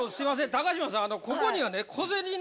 高島さん